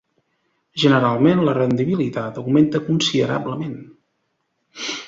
Generalment, la rendibilitat augmenta considerablement.